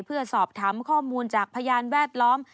เพื่อสอบถามข้อมูลจากพยานแวดล้อม